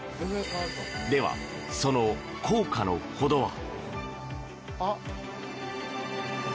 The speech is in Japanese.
では、その効果のほどは？